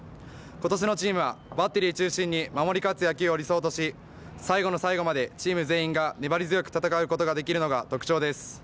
ことしのチームはバッテリー中心に守り勝つ野球を理想とし、最後の最後までチーム全員が粘り強く戦うことができるのが特徴です。